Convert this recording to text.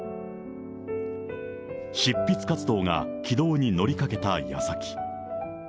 執筆活動が軌道に乗りかけたやさき。